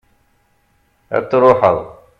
ad truḥeḍ